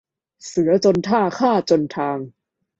เสือจนท่า ข้าจนทาง